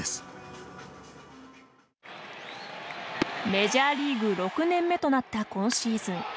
メジャーリーグ６年目となった今シーズン。